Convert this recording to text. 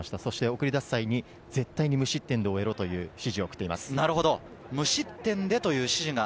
送り出す時に絶対、無失点で終えろという指示を送っています。